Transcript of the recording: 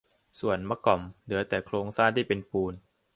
ส่วน มะกอม เหลือแต่โครงสร้างที่เป็นปูน